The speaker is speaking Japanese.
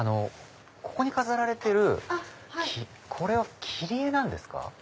ここに飾られてるこれは切り絵なんですか？